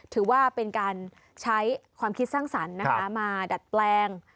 ถือว่าเป็นการใช้ความคิดสร้างสรรค์นะคะมาดัดแปลง